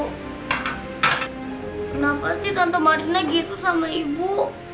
kenapa sih tante marine gitu sama ibu